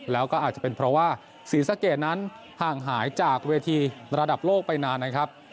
แล้วก็อาจจะเป็นเพราะว่าศรีสะเกดนั้นห่างหายจากเวทีระดับโลกไปนานนะครับ